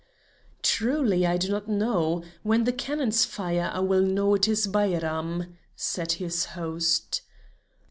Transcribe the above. "Truly, I do not know! When the cannons fire, I will know it is Bairam," said his host.